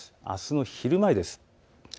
あすの昼前です。